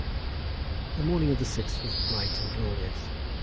The morning of the sixth was bright and glorious.